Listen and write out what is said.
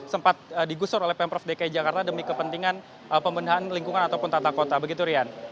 sempat digusur oleh pemprov dki jakarta demi kepentingan pembenahan lingkungan ataupun tata kota begitu rian